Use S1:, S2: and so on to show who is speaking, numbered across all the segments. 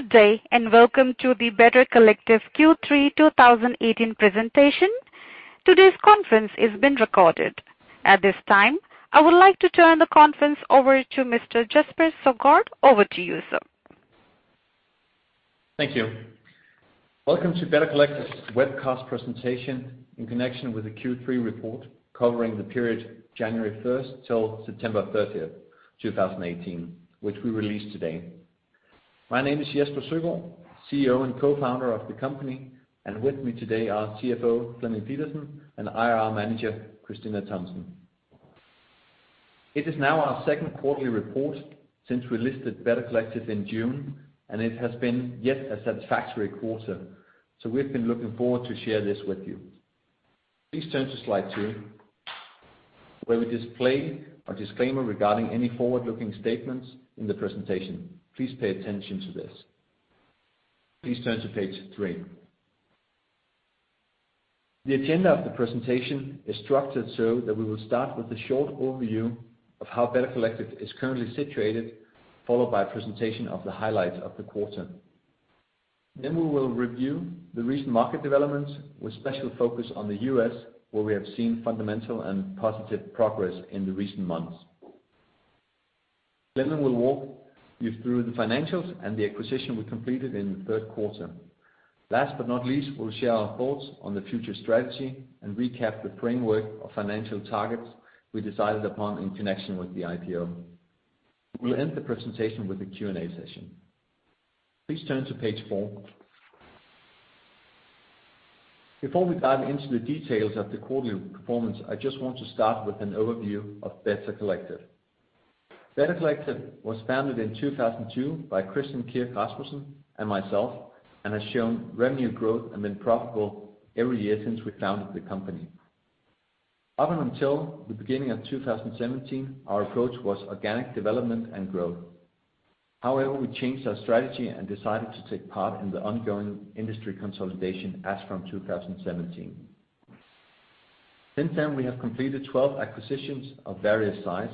S1: Good day, welcome to the Better Collective Q3 2018 presentation. Today's conference is being recorded. At this time, I would like to turn the conference over to Mr. Jesper Søgaard. Over to you, sir.
S2: Thank you. Welcome to Better Collective's webcast presentation in connection with the Q3 report, covering the period January 1st till September 30th, 2018, which we release today. My name is Jesper Søgaard, CEO and Co-founder of the company, and with me today are CFO Flemming Pedersen and IR Manager Christina Thompson. It is now our second quarterly report since we listed Better Collective in June. It has been yet a satisfactory quarter. We've been looking forward to share this with you. Please turn to slide two, where we display our disclaimer regarding any forward-looking statements in the presentation. Please pay attention to this. Please turn to page three. The agenda of the presentation is structured so that we will start with a short overview of how Better Collective is currently situated, followed by a presentation of the highlights of the quarter. We will review the recent market developments with special focus on the U.S., where we have seen fundamental and positive progress in the recent months. Flemming will walk you through the financials and the acquisition we completed in the third quarter. Last but not least, we'll share our thoughts on the future strategy and recap the framework of financial targets we decided upon in connection with the IPO. We'll end the presentation with a Q&A session. Please turn to page four. Before we dive into the details of the quarterly performance, I just want to start with an overview of Better Collective. Better Collective was founded in 2002 by Christian Kirk Rasmussen and myself. It has shown revenue growth and been profitable every year since we founded the company. Up until the beginning of 2017, our approach was organic development and growth. However, we changed our strategy and decided to take part in the ongoing industry consolidation as from 2017. Since then, we have completed 12 acquisitions of various size.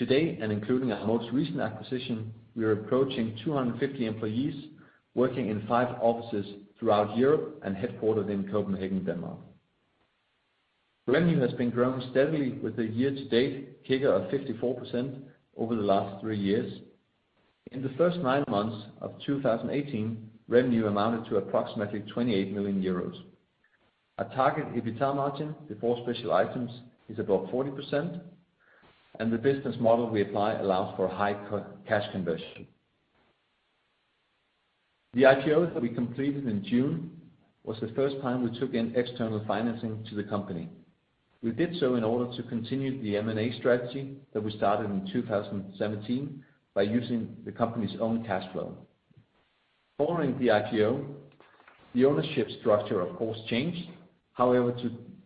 S2: Today, and including our most recent acquisition, we are approaching 250 employees, working in five offices throughout Europe and headquartered in Copenhagen, Denmark. Revenue has been growing steadily with a year-to-date figure of 54% over the last three years. In the first nine months of 2018, revenue amounted to approximately 28 million euros. Our target EBITA margin before special items is above 40%. The business model we apply allows for high cash conversion. The IPO that we completed in June was the first time we took in external financing to the company. We did so in order to continue the M&A strategy that we started in 2017 by using the company's own cash flow. Following the IPO, the ownership structure, of course, changed.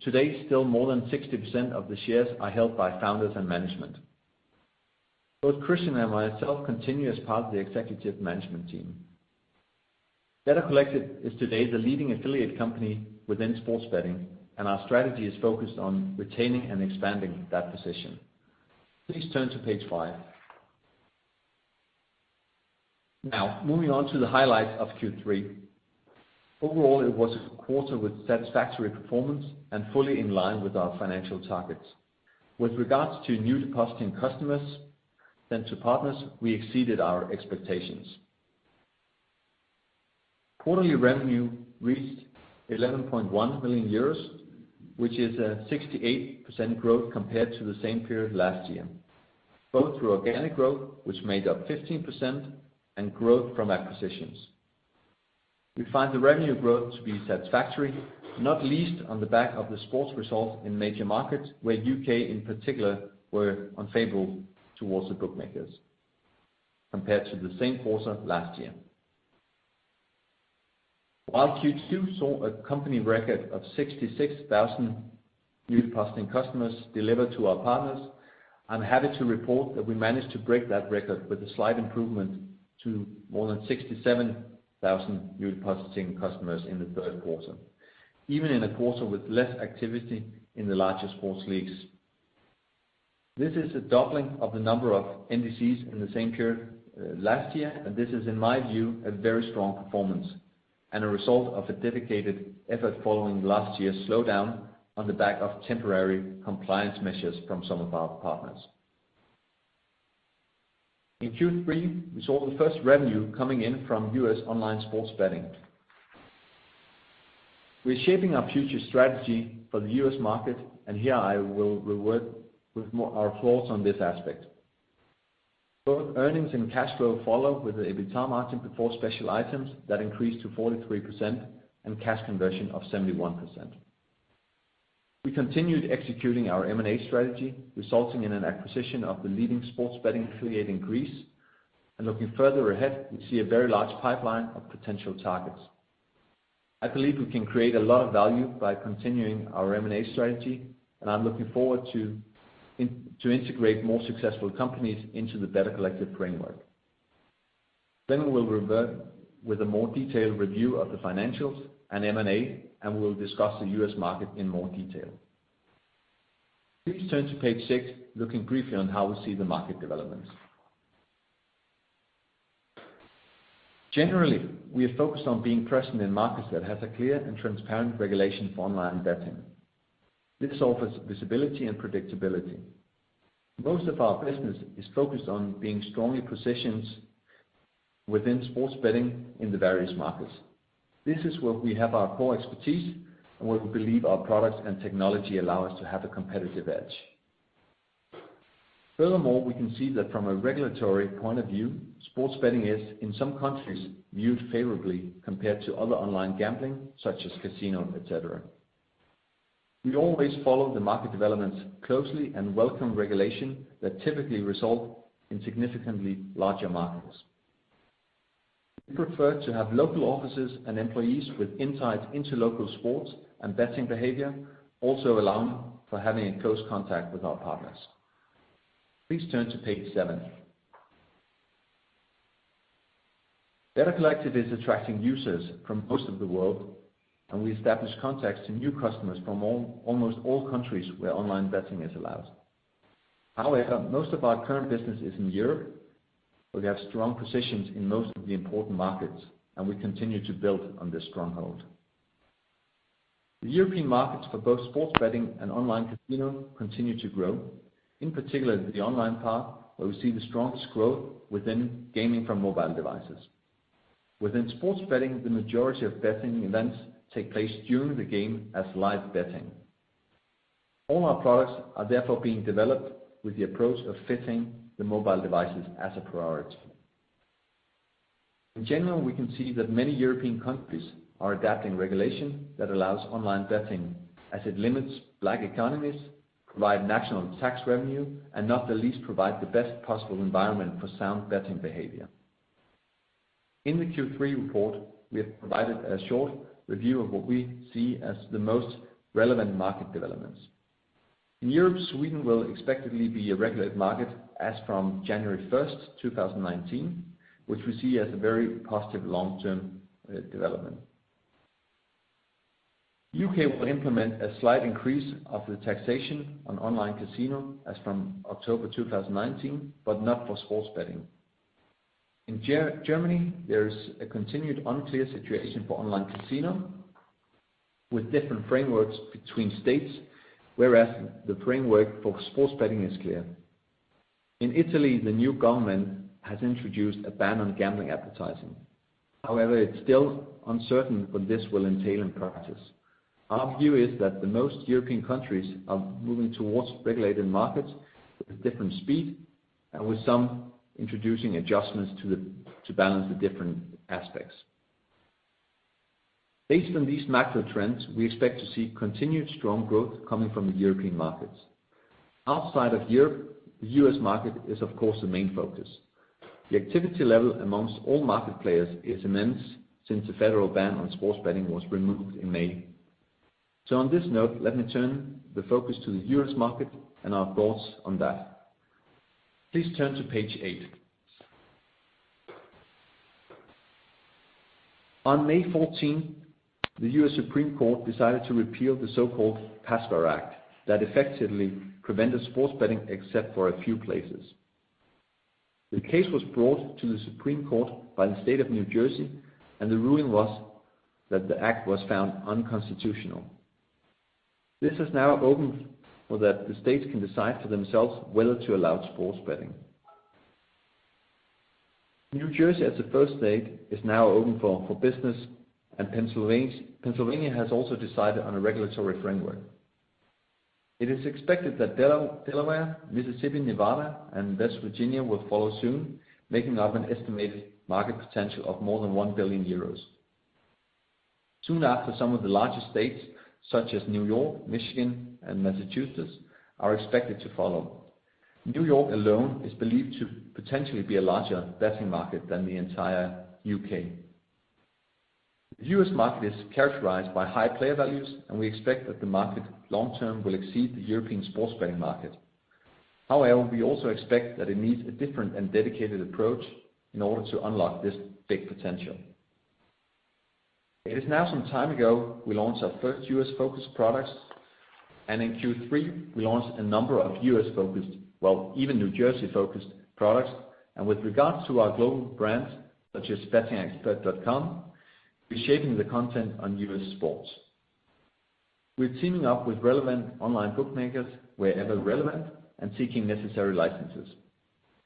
S2: Today, still more than 60% of the shares are held by founders and management. Both Christian and myself continue as part of the executive management team. Better Collective is today the leading affiliate company within sports betting, our strategy is focused on retaining and expanding that position. Please turn to page five. Moving on to the highlights of Q3. Overall, it was a quarter with satisfactory performance and fully in line with our financial targets. With regards to new depositing customers and to partners, we exceeded our expectations. Quarterly revenue reached 11.1 million euros, which is a 68% growth compared to the same period last year, both through organic growth, which made up 15%, and growth from acquisitions. We find the revenue growth to be satisfactory, not least on the back of the sports results in major markets where U.K. in particular were unfavorable towards the bookmakers compared to the same quarter last year. While Q2 saw a company record of 66,000 new depositing customers delivered to our partners, I'm happy to report that we managed to break that record with a slight improvement to more than 67,000 new depositing customers in the third quarter, even in a quarter with less activity in the larger sports leagues. This is a doubling of the number of NDCs in the same period last year, this is, in my view, a very strong performance and a result of a dedicated effort following last year's slowdown on the back of temporary compliance measures from some of our partners. In Q3, we saw the first revenue coming in from U.S. online sports betting. We're shaping our future strategy for the U.S. market, here I will revert with our thoughts on this aspect. Both earnings and cash flow follow with the EBITA margin before special items that increased to 43% and cash conversion of 71%. We continued executing our M&A strategy, resulting in an acquisition of the leading sports betting affiliate in Greece. Looking further ahead, we see a very large pipeline of potential targets. I believe we can create a lot of value by continuing our M&A strategy, I'm looking forward to integrate more successful companies into the Better Collective framework. Flemming will revert with a more detailed review of the financials and M&A, we'll discuss the U.S. market in more detail. Please turn to page six, looking briefly on how we see the market developments. Generally, we are focused on being present in markets that have a clear and transparent regulation for online betting. This offers visibility and predictability. Most of our business is focused on being strongly positioned within sports betting in the various markets. This is where we have our core expertise and where we believe our products and technology allow us to have a competitive edge. Furthermore, we can see that from a regulatory point of view, sports betting is, in some countries, viewed favorably compared to other online gambling, such as casino, et cetera. We always follow the market developments closely and welcome regulation that typically result in significantly larger markets. We prefer to have local offices and employees with insight into local sports and betting behavior, also allowing for having a close contact with our partners. Please turn to page seven. Better Collective is attracting users from most of the world, and we establish contacts to new customers from almost all countries where online betting is allowed. However, most of our current business is in Europe, where we have strong positions in most of the important markets, and we continue to build on this stronghold. The European markets for both sports betting and online casino continue to grow, in particular the online part, where we see the strongest growth within gaming from mobile devices. Within sports betting, the majority of betting events take place during the game as live betting. All our products are therefore being developed with the approach of fitting the mobile devices as a priority. In general, we can see that many European countries are adapting regulation that allows online betting as it limits black economies, provide national tax revenue, and not the least, provide the best possible environment for sound betting behavior. In the Q3 report, we have provided a short review of what we see as the most relevant market developments. In Europe, Sweden will expectedly be a regulated market as from January 1st, 2019, which we see as a very positive long-term development. U.K. will implement a slight increase of the taxation on online casino as from October 2019, but not for sports betting. In Germany, there is a continued unclear situation for online casino with different frameworks between states, whereas the framework for sports betting is clear. In Italy, the new government has introduced a ban on gambling advertising. It's still uncertain what this will entail in practice. Our view is that the most European countries are moving towards regulated markets with a different speed and with some introducing adjustments to balance the different aspects. Based on these macro trends, we expect to see continued strong growth coming from the European markets. Outside of Europe, the U.S. market is of course the main focus. The activity level amongst all market players is immense since the federal ban on sports betting was removed in May. On this note, let me turn the focus to the U.S. market and our thoughts on that. Please turn to page eight. On May 14, the U.S. Supreme Court decided to repeal the so-called PASPA act that effectively prevented sports betting except for a few places. The case was brought to the Supreme Court by the state of New Jersey, and the ruling was that the act was found unconstitutional. This has now opened so that the states can decide for themselves whether to allow sports betting. New Jersey, as a first state, is now open for business, and Pennsylvania has also decided on a regulatory framework. It is expected that Delaware, Mississippi, Nevada, and West Virginia will follow soon, making up an estimated market potential of more than 1 billion euros. Soon after, some of the largest states, such as New York, Michigan, and Massachusetts, are expected to follow. New York alone is believed to potentially be a larger betting market than the entire U.K. The U.S. market is characterized by high player values, and we expect that the market long-term will exceed the European sports betting market. We also expect that it needs a different and dedicated approach in order to unlock this big potential. It is now some time ago we launched our first U.S.-focused products. In Q3, we launched a number of U.S.-focused, well, even New Jersey-focused products. With regards to our global brands, such as bettingexpert.com, we're shaping the content on U.S. sports. We're teaming up with relevant online bookmakers wherever relevant and seeking necessary licenses.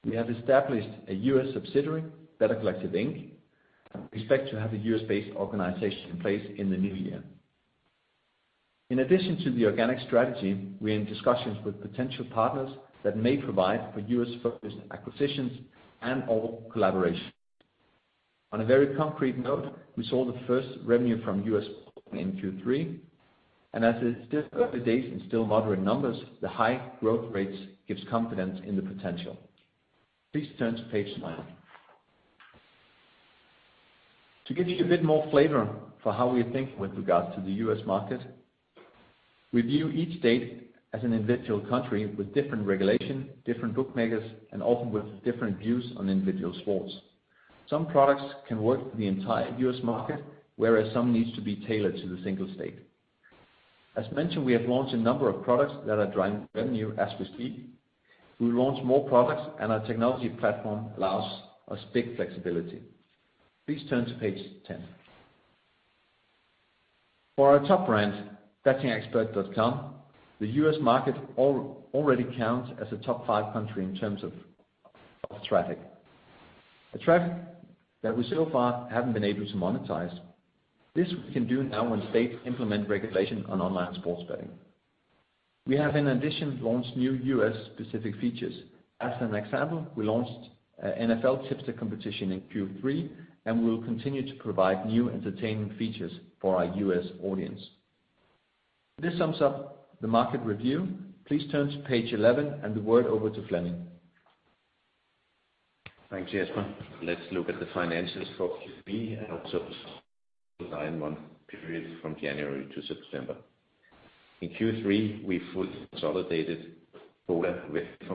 S2: We have established a U.S. subsidiary, Better Collective Inc., and we expect to have a U.S.-based organization in place in the new year. In addition to the organic strategy, we're in discussions with potential partners that may provide for U.S.-focused acquisitions and all collaboration. On a very concrete note, we saw the first revenue from U.S. sports in Q3, and as the diversification is still moderate numbers, the high growth rates gives confidence in the potential. Please turn to page nine. To give you a bit more flavor for how we think with regards to the U.S. market, we view each state as an individual country with different regulation, different bookmakers, and often with different views on individual sports. Some products can work in the entire U.S. market, whereas some needs to be tailored to the single state. As mentioned, we have launched a number of products that are driving revenue as we speak. We launch more products and our technology platform allows us big flexibility. Please turn to page 10. For our top brand, bettingexpert.com, the U.S. market already counts as a top five country in terms of traffic. A traffic that we so far haven't been able to monetize. This we can do now when states implement regulation on online sports betting. We have in addition, launched new U.S.-specific features. As an example, we launched NFL Tipster competition in Q3, and we will continue to provide new entertaining features for our U.S. audience. This sums up the market review. Please turn to page 11 and the word over to Flemming.
S3: Thanks, Jesper. Let's look at the financials for Q3 and also the nine-month period from January to September. In Q3, we fully consolidated BOLA. The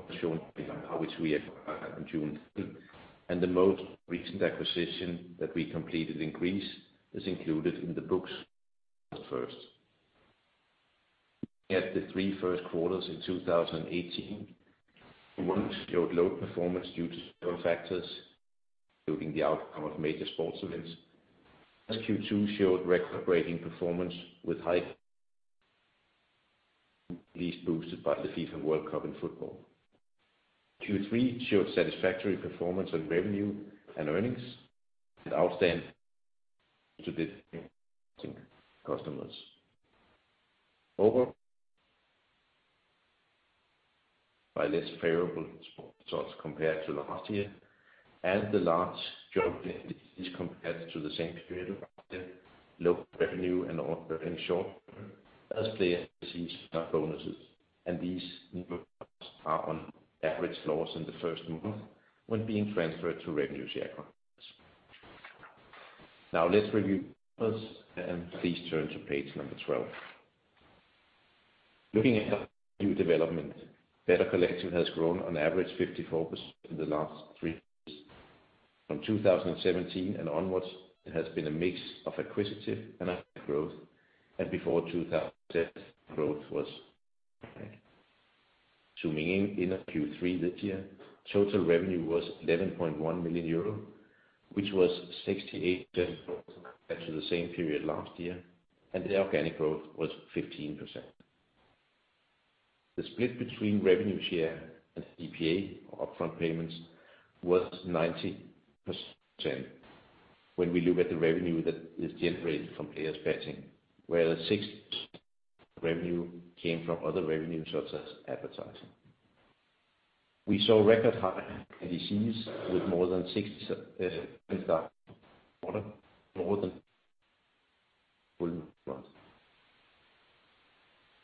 S3: strengthened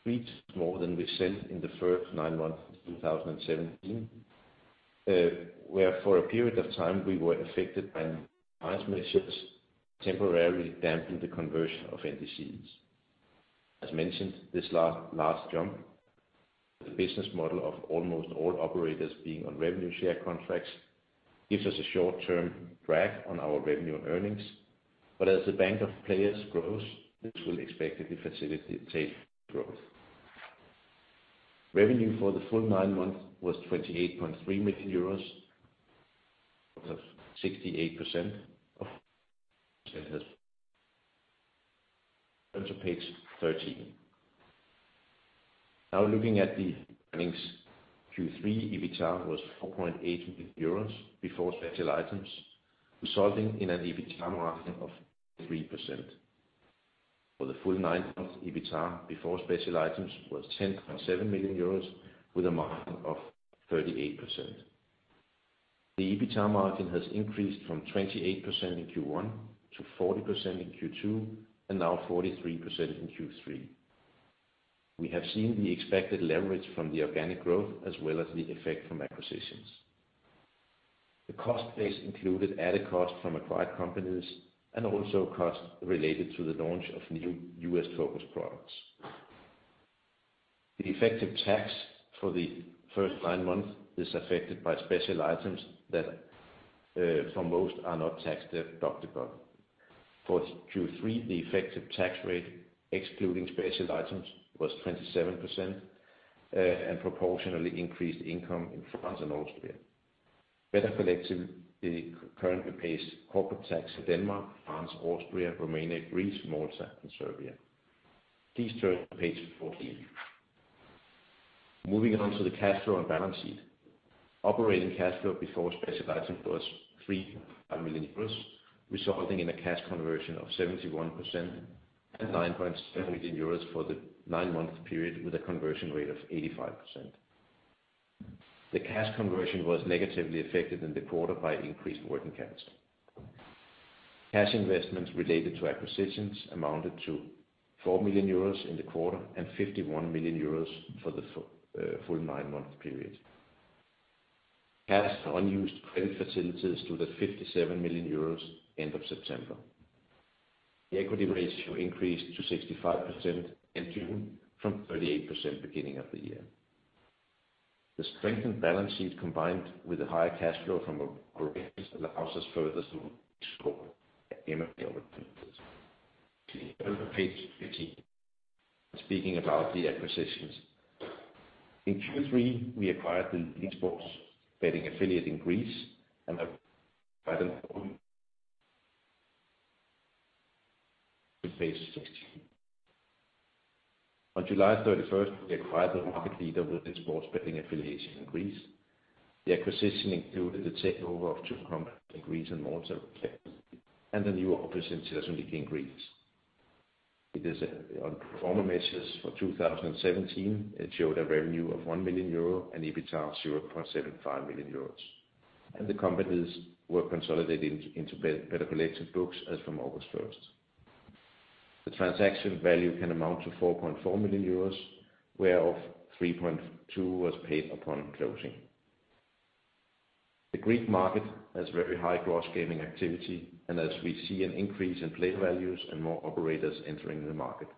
S3: balance sheet combined with the higher cash flow from operations allows us further to score M&A opportunities. Please turn to page 15. Speaking about the acquisitions. In Q3, we acquired the sports betting affiliate in Greece and to page 16. On July 31st, we acquired the market leader with the sports betting affiliation in Greece. The acquisition included the takeover of two companies in Greece and Malta, and a new office in Thessaloniki, in Greece. On pro forma measures for 2017, it showed a revenue of 1 million euro and EBITDA of 0.75 million euros, and the companies were consolidated into Better Collective books as from August 1st. The transaction value can amount to 4.4 million euros, whereof 3.2 was paid upon closing. The Greek market has very high gross gaming activity. As we see an increase in player values and more operators entering the market,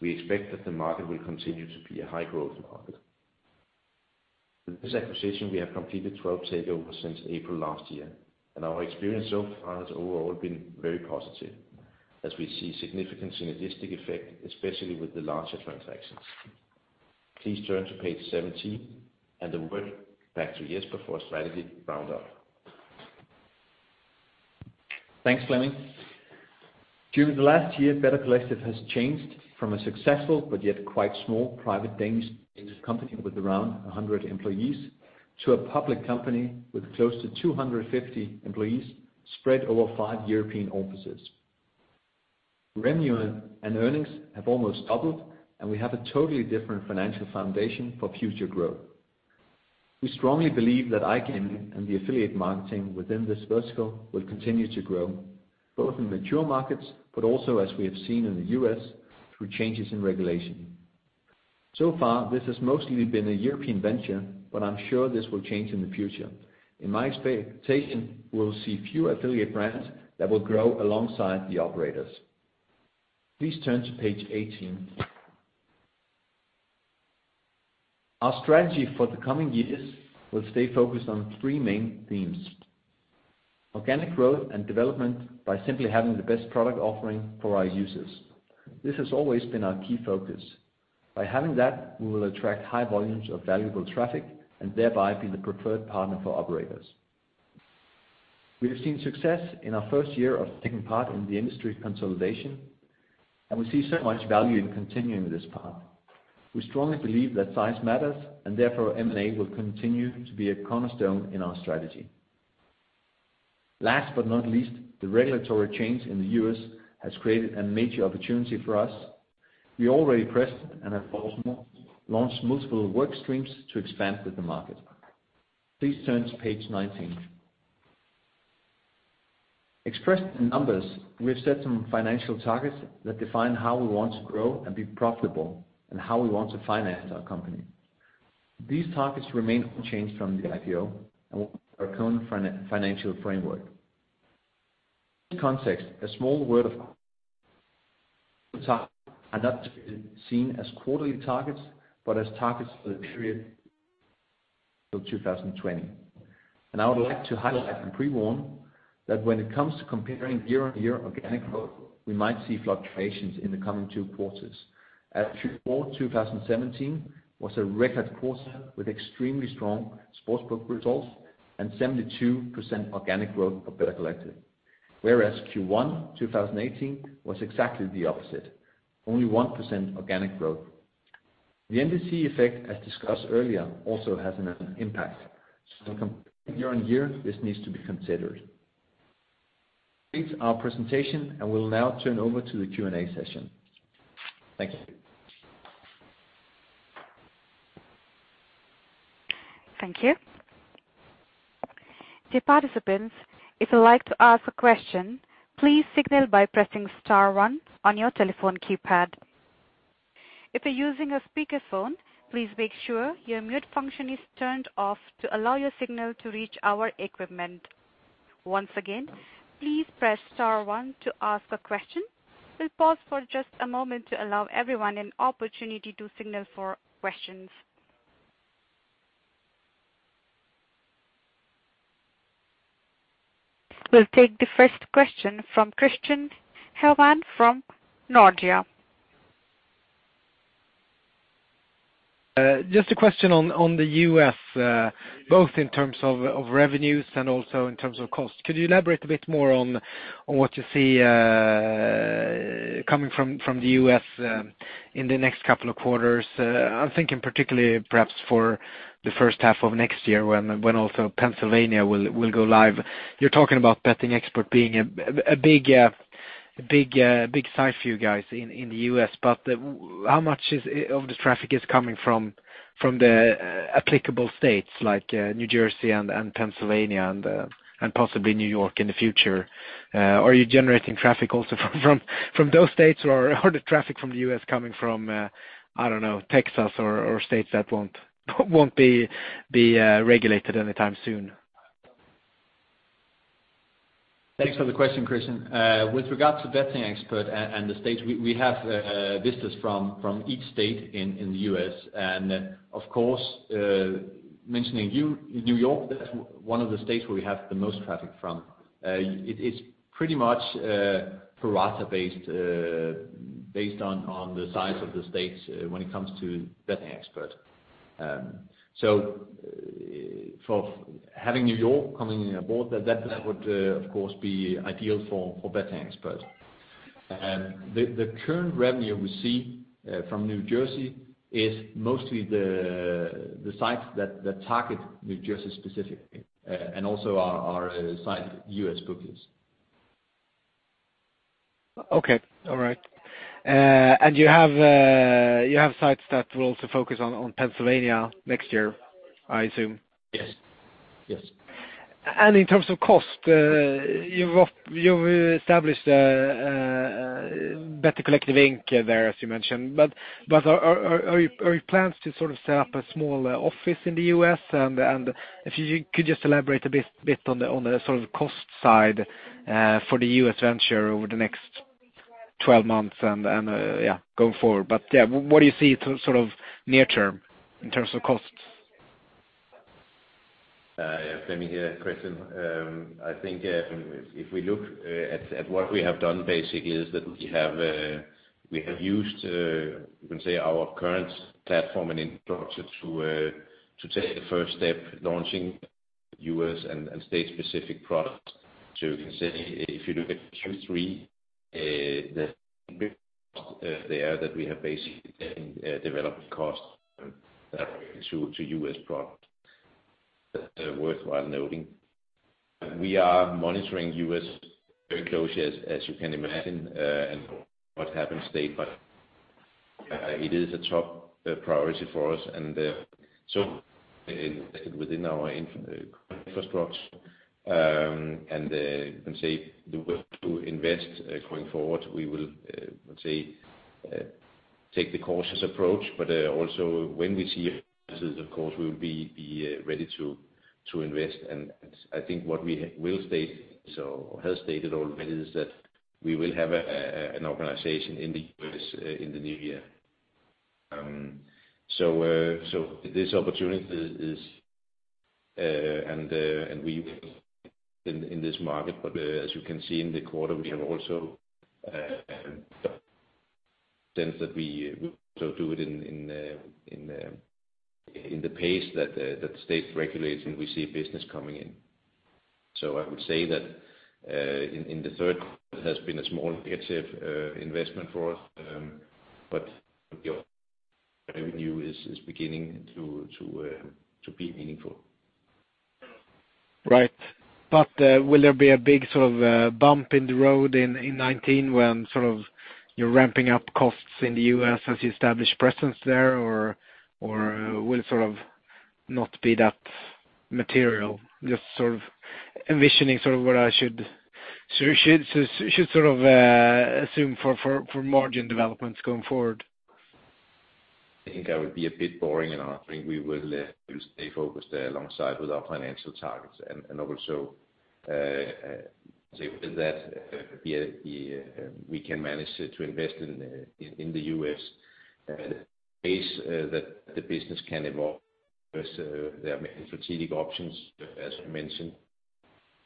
S3: we expect that the market will continue to be a high-growth market. With this acquisition, we have completed 12 takeovers since April last year, and our experience so far has overall been very positive, as we see significant synergistic effect, especially with the larger transactions. Please turn to page 17 and I will hand back to Jesper for a strategy round-up.
S2: Thanks, Flemming. During the last year, Better Collective has changed from a successful but yet quite small private Danish company with around 100 employees to a public company with close to 250 employees spread over five European offices. Revenue and earnings have almost doubled, and we have a totally different financial foundation for future growth. We strongly believe that iGaming and the affiliate marketing within this vertical will continue to grow, both in mature markets. As we have seen in the U.S. through changes in regulation, so far, this has mostly been a European venture. I'm sure this will change in the future. In my expectation, we'll see fewer affiliate brands that will grow alongside the operators. Please turn to page 18. Organic growth and development by simply having the best product offering for our users. This has always been our key focus. By having that, we will attract high volumes of valuable traffic and thereby be the preferred partner for operators. We have seen success in our first year of taking part in the industry consolidation. We see so much value in continuing this path. We strongly believe that size matters. Therefore M&A will continue to be a cornerstone in our strategy. Last but not least, the regulatory change in the U.S. has created a major opportunity for us. We already pressed and have also launched multiple work streams to expand with the market. Please turn to page 19. Expressed in numbers, we have set some financial targets that define how we want to grow and be profitable and how we want to finance our company. These targets remain unchanged from the IPO and our current financial framework. In this context, a small word of are not to be seen as quarterly targets, but as targets for the period till 2020. I would like to highlight and pre-warn that when it comes to comparing year-on-year organic growth, we might see fluctuations in the coming two quarters. As Q4 2017 was a record quarter with extremely strong sports book results and 72% organic growth of Better Collective, whereas Q1 2018 was exactly the opposite, only 1% organic growth. The NDC effect, as discussed earlier, also has an impact. When comparing year-on-year, this needs to be considered. This completes our presentation. We'll now turn over to the Q&A session. Thank you.
S1: Thank you. Dear participants, if you'd like to ask a question, please signal by pressing star one on your telephone keypad. If you're using a speakerphone, please make sure your mute function is turned off to allow your signal to reach our equipment. Once again, please press star one to ask a question. We'll pause for just a moment to allow everyone an opportunity to signal for questions. We'll take the first question from Christian Herman from Nordea.
S4: A question on the U.S., both in terms of revenues and also in terms of costs. Could you elaborate a bit more on what you see coming from the U.S. in the next couple of quarters? I'm thinking particularly perhaps for the first half of next year when also Pennsylvania will go live. You're talking about Bettingexpert being a big size for you guys in the U.S. How much of this traffic is coming from the applicable states like New Jersey and Pennsylvania and possibly New York in the future? Are you generating traffic also from those states, or are the traffic from the U.S. coming from, I don't know, Texas or states that won't be regulated anytime soon?
S2: Thanks for the question, Christian. With regards to Bettingexpert and the states, we have visitors from each state in the U.S. Of course, mentioning New York, that's one of the states where we have the most traffic from. It is pretty much pro rata based on the size of the states when it comes to Bettingexpert. Having New York coming aboard, that would of course be ideal for Bettingexpert. The current revenue we see from New Jersey is mostly the sites that target New Jersey specifically, and also our site US Bookies.
S4: Okay. All right. You have sites that will also focus on Pennsylvania next year, I assume.
S2: Yes.
S4: In terms of cost, you've established Better Collective Inc. there, as you mentioned, but are your plans to sort of set up a small office in the U.S. and if you could just elaborate a bit on the sort of cost side for the U.S. venture over the next 12 months and, yeah, going forward. Yeah, what do you see to sort of near term in terms of cost?
S3: Yeah. Flemming here, Christian. I think if we look at what we have done basically is that we have used, you can say, our current platform and infrastructure to take the first step launching U.S. and state specific products. You can say if you look at Q3. Right. Will there be a big sort of bump in the road in 2019 when sort of you're ramping up costs in the U.S. as you establish presence there, or will it sort of not be that material? Just sort of envisioning what I should sort of assume for margin developments going forward. I think I would be a bit boring in answering. We will stay focused alongside with our financial targets and also, say with that we can manage to invest in the U.S. at a pace that the business can evolve versus the strategic options.
S2: As you mentioned,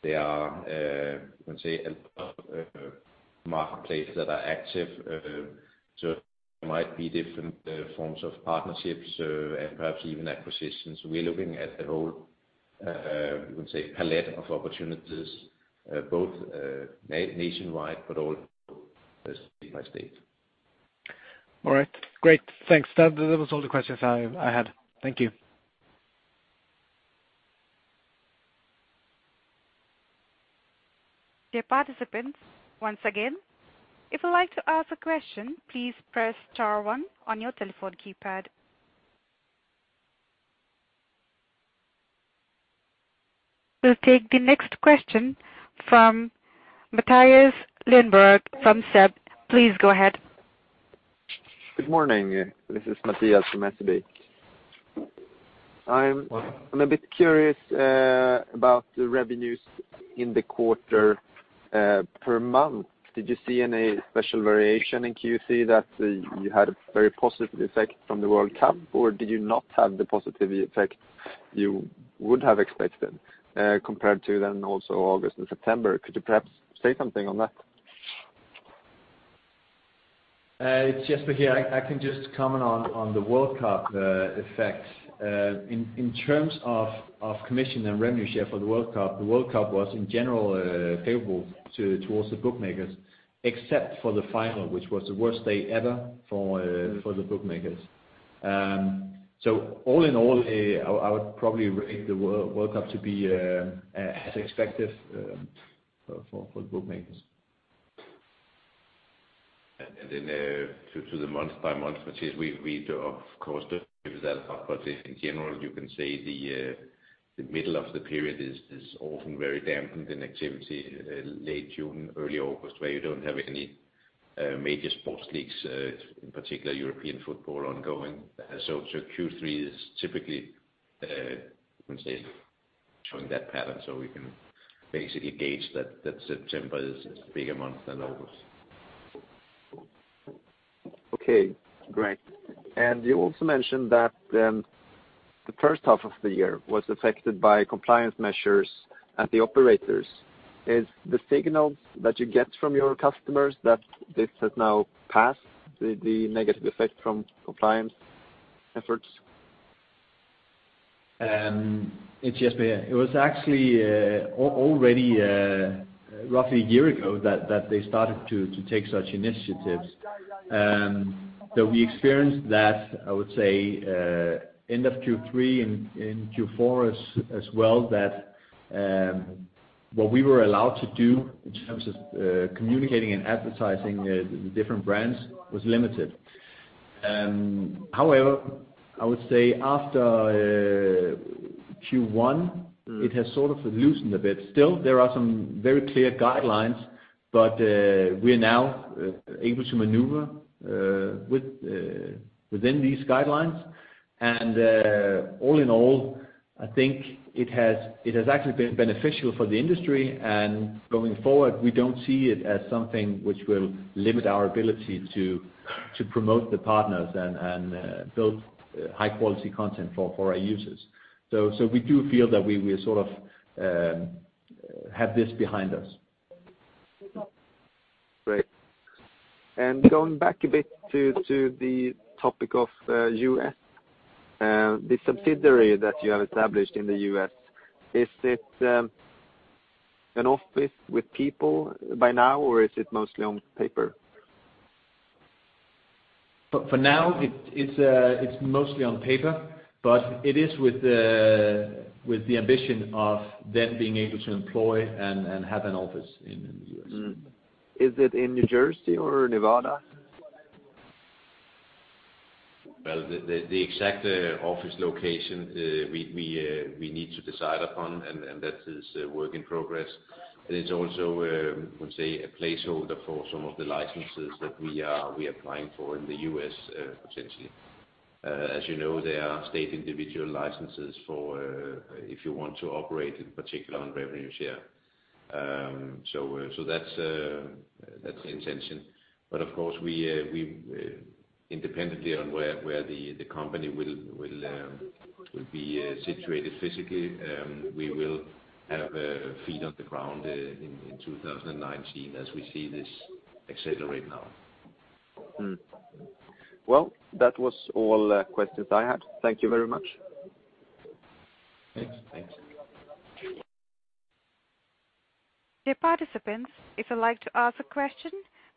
S2: there are, you can say, a lot of marketplace that are active. There might be different forms of partnerships, and perhaps even acquisitions. We are looking at a whole, you can say, palette of opportunities, both nationwide, but also state by state.
S4: All right. Great. Thanks. That was all the questions I had. Thank you.
S1: Dear participants, once again, if you'd like to ask a question, please press star one on your telephone keypad. We'll take the next question from Mattias Lindberg from SEB. Please go ahead.
S5: Good morning. This is Mattias from SEB.
S2: Welcome.
S5: I'm a bit curious about the revenues in the quarter per month. Did you see any special variation in Q3 that you had a very positive effect from the World Cup, or did you not have the positive effect you would have expected compared to then also August and September? Could you perhaps say something on that?
S2: Jesper here. I can just comment on the World Cup effect. In terms of commission and revenue share for the World Cup, the World Cup was in general favorable towards the bookmakers, except for the final, which was the worst day ever for the bookmakers. All in all, I would probably rate the World Cup to be as expected for the bookmakers. To the month by month, which is we of course don't give that up. In general, you can say the middle of the period is often very dampened in activity. Late June, early August, where you don't have any major sports leagues, in particular European football ongoing. Q3 is typically, I would say, showing that pattern, so we can basically gauge that September is a bigger month than August.
S5: Okay, great. You also mentioned that the first half of the year was affected by compliance measures at the operators. Is the signal that you get from your customers that this has now passed the negative effect from compliance efforts?
S2: It's Jesper here. It was actually already roughly a year ago that they started to take such initiatives. We experienced that, I would say end of Q3 and Q4 as well, that what we were allowed to do in terms of communicating and advertising the different brands was limited. However, I would say after Q1 it has sort of loosened a bit. Still, there are some very clear guidelines, but we are now able to maneuver within these guidelines. All in all, I think it has actually been beneficial for the industry and going forward, we don't see it as something which will limit our ability to promote the partners and build high-quality content for our users. We do feel that we sort of have this behind us.
S5: Great. Going back a bit to the topic of U.S., the subsidiary that you have established in the U.S., is it an office with people by now, or is it mostly on paper?
S2: For now it's mostly on paper, but it is with the ambition of then being able to employ and have an office in the U.S.
S5: Is it in New Jersey or Nevada?
S2: Well, the exact office location we need to decide upon and that is work in progress. It's also, I would say, a placeholder for some of the licenses that we are applying for in the U.S., potentially. As you know, there are state individual licenses if you want to operate in particular on revenue share. That's the intention. Of course, independently on where the company will be situated physically, we will have a feet on the ground in 2019 as we see this accelerate now.
S5: Well, that was all the questions I had. Thank you very much.
S2: Thanks.
S1: Dear participants, if you'd like to ask a question,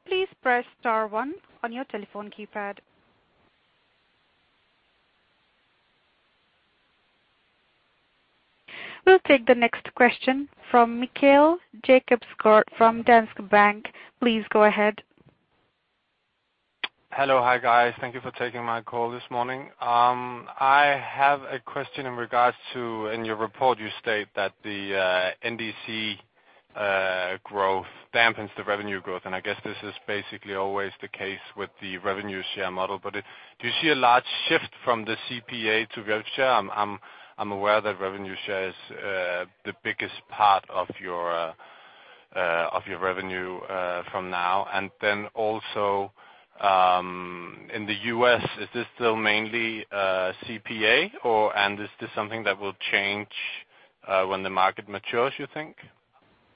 S1: please press star one on your telephone keypad. We'll take the next question from Mikael Jakobson from Danske Bank. Please go ahead.
S6: Hello. Hi, guys. Thank you for taking my call this morning. I have a question in regards to, in your report, you state that the NDC growth dampens the revenue growth. I guess this is basically always the case with the revenue share model. Do you see a large shift from the CPA to rev share? I'm aware that revenue share is the biggest part of your revenue from now. Then also, in the U.S., is this still mainly CPA? Is this something that will change when the market matures, you think?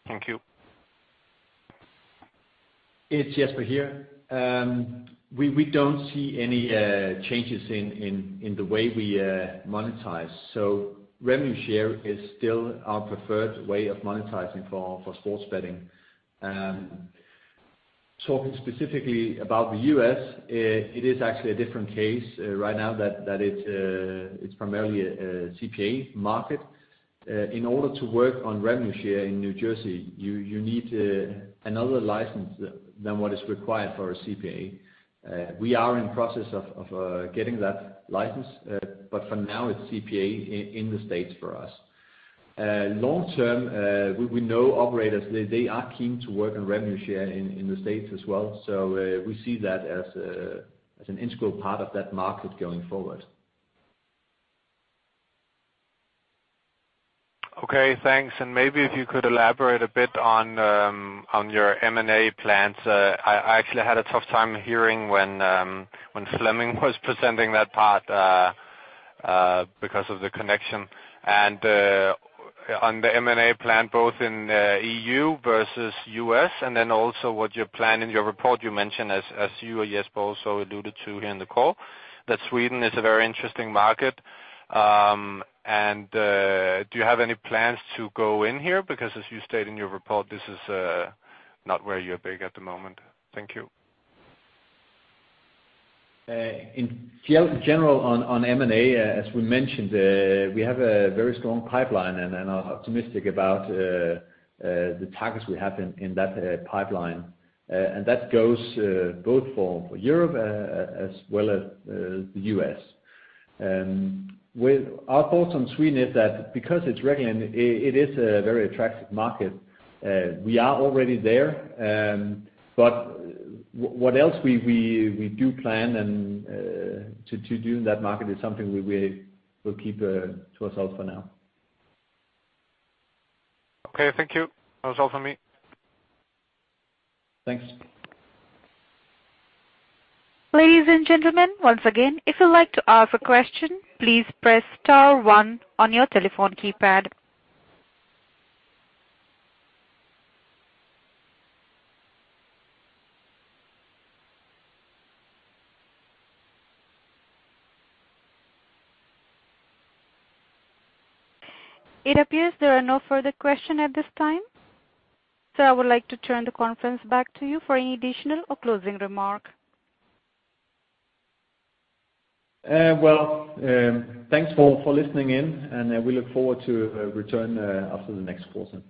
S6: Thank you.
S2: It's Jesper here. We don't see any changes in the way we monetize. Revenue share is still our preferred way of monetizing for sports betting. Talking specifically about the U.S., it is actually a different case right now that it's primarily a CPA market. In order to work on revenue share in New Jersey, you need another license than what is required for a CPA. We are in process of getting that license. For now it's CPA in the States for us. Long term, we know operators, they are keen to work on revenue share in the States as well. We see that as an integral part of that market going forward.
S6: Okay, thanks. Maybe if you could elaborate a bit on your M&A plans. I actually had a tough time hearing when Flemming was presenting that part because of the connection. On the M&A plan, both in EU versus U.S., then also what you plan in your report, you mentioned, as Jesper also alluded to here in the call, that Sweden is a very interesting market. Do you have any plans to go in here? Because as you stated in your report, this is not where you're big at the moment. Thank you.
S2: In general, on M&A, as we mentioned, we have a very strong pipeline and are optimistic about the targets we have in that pipeline. That goes both for Europe as well as the U.S. Our thoughts on Sweden is that because it's regulated, it is a very attractive market. We are already there, but what else we do plan and to do in that market is something we will keep to ourselves for now.
S6: Okay, thank you. That's all for me.
S2: Thanks.
S1: Ladies and gentlemen, once again, if you'd like to ask a question, please press star one on your telephone keypad. It appears there are no further question at this time. I would like to turn the conference back to you for any additional or closing remark.
S2: Well, thanks for listening in, and we look forward to return after the next quarter.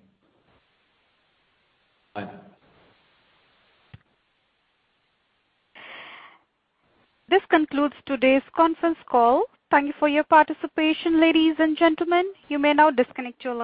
S2: Bye.
S1: This concludes today's conference call. Thank you for your participation, ladies and gentlemen. You may now disconnect your lines